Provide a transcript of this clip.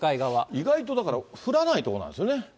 意外とだから、降らない所なんですよね。